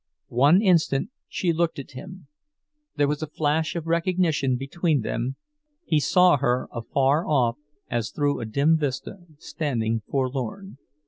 One instant she looked at him—there was a flash of recognition between them, he saw her afar off, as through a dim vista, standing forlorn.